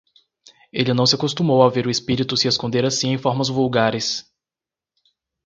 Ele não se acostumou a ver o espírito se esconder assim em formas vulgares.